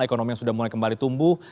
ekonomi yang sudah mulai kembali tumbuh